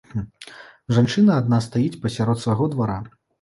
Жанчына адна стаіць пасярод свайго двара.